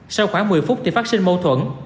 sau khoảng một mươi phút thì phát sinh mâu thuẫn